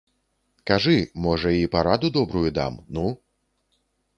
Кажы, можа, і параду добрую дам, ну?